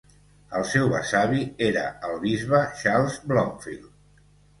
El seu besavi era el bisbe Charles Blomfield.